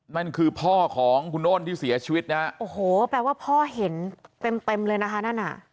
นั่นคือพ่อของคุณโน้นที่เสียชีวิตนะฮะโอ้โหแปลว่าพ่อเห็นเต็มเต็มเลยนะคะนั่นอ่ะ